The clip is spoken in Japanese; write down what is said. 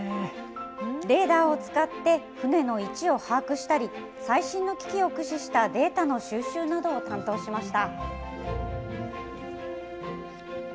レーダーを使って、船の位置を把握したり、最新の機器を駆使したデータの収集などを担当しました。